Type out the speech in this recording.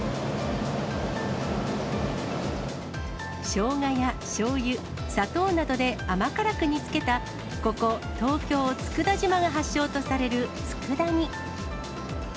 しょうがやしょうゆ、砂糖などで甘辛く煮つけた、ここ、東京・佃島が発祥とされるつくだ煮。